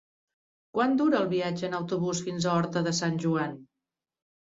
Quant dura el viatge en autobús fins a Horta de Sant Joan?